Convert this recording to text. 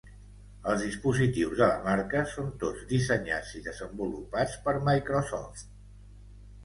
Els dispositius de la marca són tots dissenyats i desenvolupats per Microsoft.